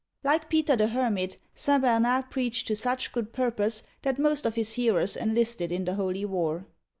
^ Like Peter the Hermit, St. Bernard preached to such good purpose that most of his hearers enlisted in the holy war.